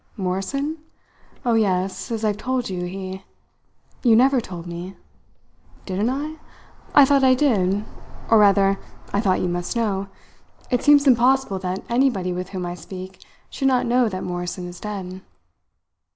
"Morrison? Oh, yes, as I've told you, he " "You never told me." "Didn't I? I thought I did; or, rather, I thought you must know. It seems impossible that anybody with whom I speak should not know that Morrison is dead."